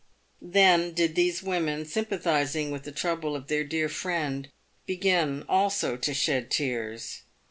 Then did these women, sympathising with the trouble of their dear friend, begin also to shed tears.